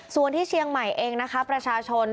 ส่วนที่เชียงใหม่เองนะคะประชาชน